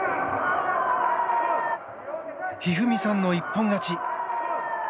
一二三さんの一本勝ち。